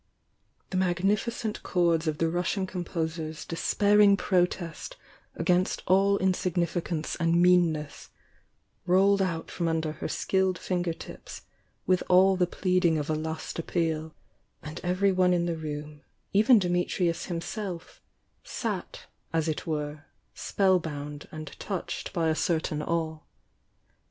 The magnm cent chords of the Russian composer's despairing protest against all insignificance and meanness, rolled out from under her skilled finger tips with all the pleading of a last appeal, — and everyone in the room, even Dimitrius himself, sat, as it were, spell bound and touched by a certain awe.